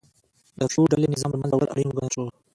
د فیوډالي نظام له منځه وړل اړین وګڼل شو.